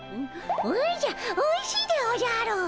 おじゃおいしいでおじゃる！